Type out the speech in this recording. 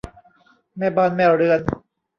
แม่บ้านแม่เรือน